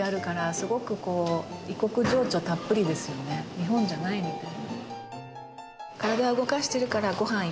日本じゃないみたい。